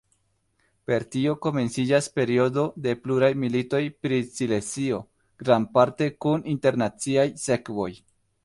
Per tio komenciĝas periodo de pluraj militoj pri Silezio, grandparte kun internaciaj sekvoj.